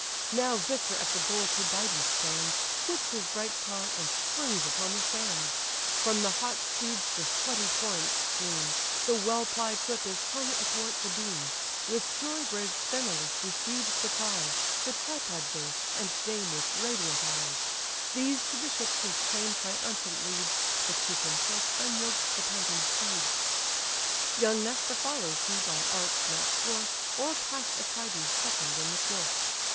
Now victor at the goal Tydides stands, Quits his bright car, and springs upon the sands; From the hot steeds the sweaty torrents stream; The well plied whip is hung athwart the beam: With joy brave Sthenelus receives the prize, The tripod vase, and dame with radiant eyes: These to the ships his train triumphant leads, The chief himself unyokes the panting steeds. Young Nestor follows (who by art, not force, O'erpass'd Atrides) second in the course.